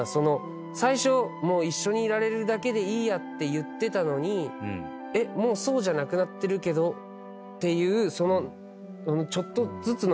最初一緒にいられるだけでいいやって言ってたのにもうそうじゃなくなってるけどっていうその。